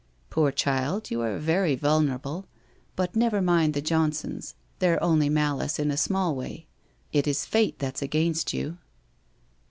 ' Poor child, you are very vulnerable. But never mind the Johnsons. They're only malice in a small way. It is Fate that's against you.'